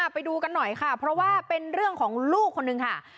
ไปดูกันหน่อยค่ะเพราะว่าเป็นเรื่องของลูกคนนึงค่ะ